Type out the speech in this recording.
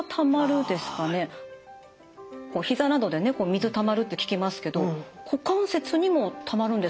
膝などで水たまるって聞きますけど股関節にもたまるんですか？